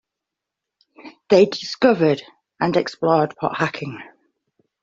They discovered and explored Port Hacking.